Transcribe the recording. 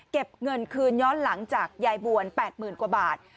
เก็บเงินคืนย้อนหลังจากยายบ่วนแปดหมื่นกว่าบาท